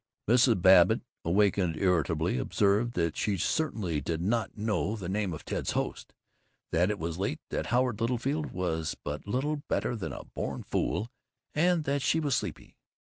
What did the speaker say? Mrs. Babbitt, awakened, irritably observed that she certainly did not know the name of Ted's host, that it was late, that Howard Littlefield was but little better than a born fool, and that she was sleepy.